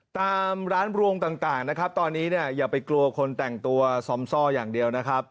ตามร้านรวงต่างนะครับตอนนี้เนี่ยอย่าไปกลัวคนแต่งตัวซอมซ่ออย่างเดียวนะครับ